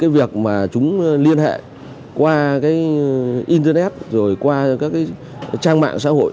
việc liên hệ qua internet trang mạng xã hội